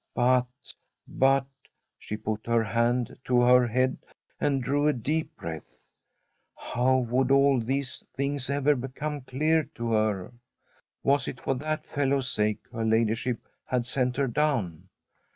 But, but She put her hand to her head and drew a deep breath. How would all these things ever become clear to her? Was it for that fellow's sake her ladyship had sent her down